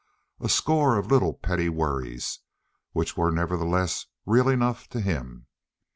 A score of little petty worries, which were nevertheless real enough to him.